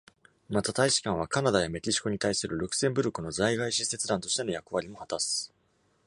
また大使館は、カナダやメキシコに対するルクセンブルクの在外使節団としての役割も果たす。